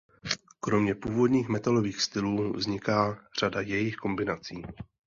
Kromě původních metalových stylů vzniká řada jejich kombinací.